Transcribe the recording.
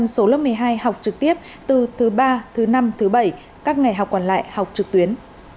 số lớp một mươi hai học trực tiếp từ thứ ba thứ năm thứ bảy các ngày học còn lại học trực tuyến